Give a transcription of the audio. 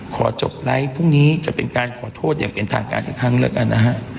จดไลค์พรุ่งนี้จะเป็นการขอโทษอย่างเป็นทางการอีกครั้งแล้วกันนะฮะ